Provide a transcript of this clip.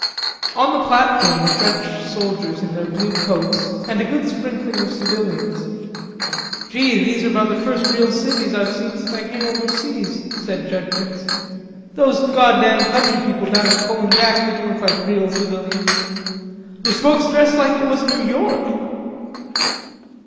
On the platform were French soldiers in their blue coats and a good sprinkling of civilians. "Gee, those are about the first real civies I've seen since I came overseas," said Judkins. "Those goddam country people down at Polignac didn't look like real civilians. There's folks dressed like it was New York."